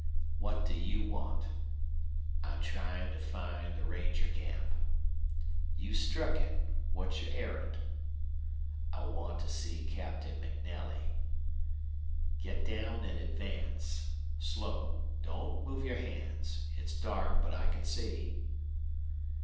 "What do you want?" "I'm trying to find the ranger camp." "You've struck it. What's your errand?" "I want to see Captain MacNelly." "Get down and advance. Slow. Don't move your hands. It's dark, but I can see."